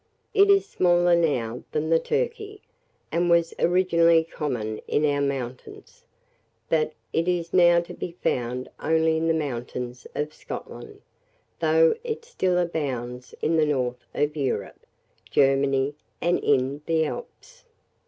It is smaller than the turkey, and was originally common in our mountains; but it is now to be found only in the mountains of Scotland, though it still abounds in the north of Europe, Germany, and in the Alps.